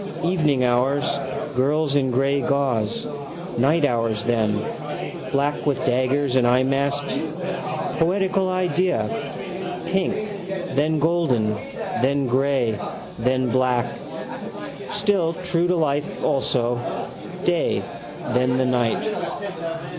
Evening hours, girls in grey gauze. Night hours then: black with daggers and eyemasks. Poetical idea: pink, then golden, then grey, then black. Still, true to life also. Day: then the night.